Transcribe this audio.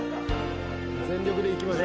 全力でいきましょう。